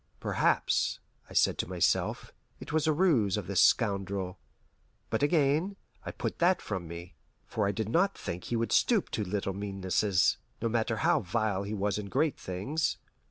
Perhaps, I said to myself, it was a ruse of this scoundrel. But again, I put that from me, for I did not think he would stoop to little meannesses, no matter how vile he was in great things.